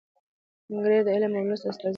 انګریز د علم او لوست استازی دی.